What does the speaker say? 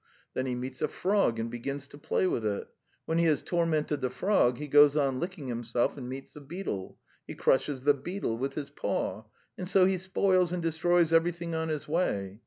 Then he meets a frog and begins to play with it; when he has tormented the frog he goes on licking himself and meets a beetle; he crushes the beetle with his paw ... and so he spoils and destroys everything on his way.